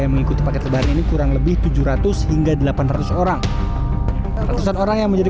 yang mengikuti paket kebaring ini kurang lebih tujuh ratus oya navigator orang seharusan orang yang menjadi